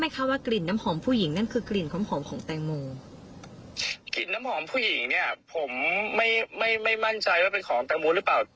กลิ่นน้ำหอมผู้หญิงเนี่ยผมไม่มั่นใจว่าเป็นของแตงโมหรือเปล่า